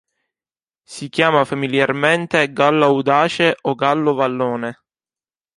Si chiama familiarmente "gallo audace" o "gallo vallone".